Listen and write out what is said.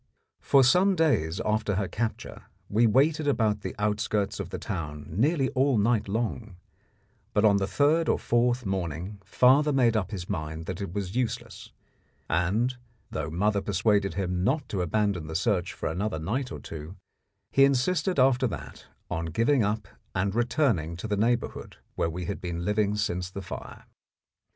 For some days after her capture we waited about the outskirts of the town nearly all night long; but on the third or fourth morning father made up his mind that it was useless, and, though mother persuaded him not to abandon the search for another night or two, he insisted after that on giving up and returning to the neighbourhood where we had been living since the fire.